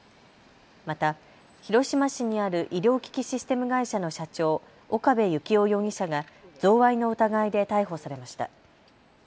また広島市にある医療機器システム会社の社長、岡部幸夫容疑者が贈賄の疑いで逮捕されました。